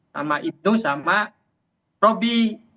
sama itu sama robby